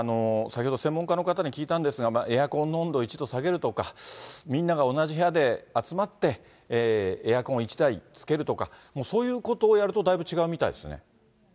先ほど、専門家の方に聞いたんですが、エアコンの温度を１度下げるとか、みんなが同じ部屋で集まってエアコン１台つけるとか、そういうことをやると、だいぶ、違うみたいですね。